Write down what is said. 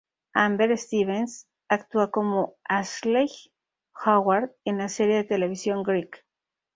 Amber Stevens actúa como Ashleigh Howard en la serie de televisión Greek.